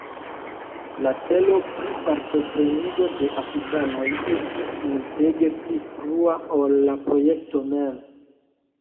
La celo pri partoprenigo de afrikanoj estis multege pli frua ol la projekto mem.